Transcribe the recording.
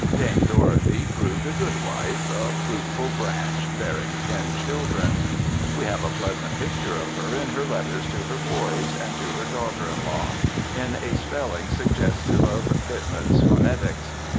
Dame Dorothy proved a good wife, a fruitful branch, bearing ten children. We have a pleasant picture of her in her letters to her boys and to her daughter in law, in a spelling suggestive of Pitman's phonetics.